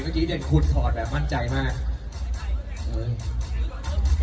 บุรทีเด็กขูดขอนมั่นใจมาก